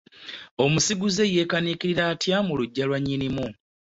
Omusiguze yeekaniikirira atya mu lugya lwa nnyinimu.